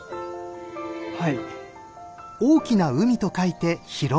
はい。